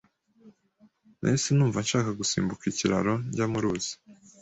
Nahise numva nshaka gusimbuka ikiraro njya mu ruzi.